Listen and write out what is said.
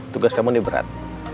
tugas kamu ini berat